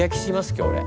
今日俺。